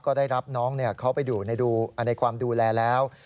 ก็ได้รับน้องเขาไปอยู่ในความดูแลแล้ว